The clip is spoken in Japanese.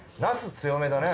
強めのね。